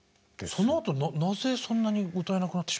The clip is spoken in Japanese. そのあとなぜそんなに歌えなくなってしまうんですか？